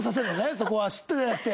そこはしっとりじゃなくて。